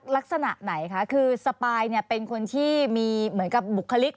ลักษณะไหนคะคือสปายเนี่ยเป็นคนที่มีเหมือนกับบุคลิก